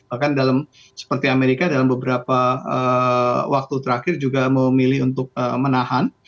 bahkan seperti amerika dalam beberapa waktu terakhir juga memilih untuk menahan